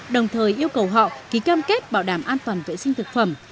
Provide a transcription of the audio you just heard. đồng thời yêu cầu họ ký cam kết bảo đảm an toàn vệ sinh thực phẩm